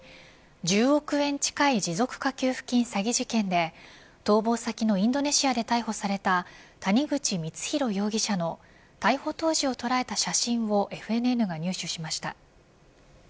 １０億円近い持続化給付金詐欺事件で逃亡先のインドネシアで逮捕された谷口光弘容疑者の逮捕当時を捉えた写真をＦＮＮが入手しました。